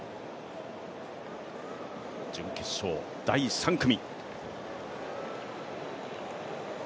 準決勝、第３組。